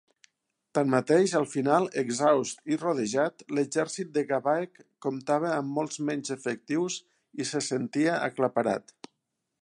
Tanmateix, al final, exhaust i rodejat, l'exèrcit de Gaebaek comptava amb molts menys efectius i se sentia aclaparat.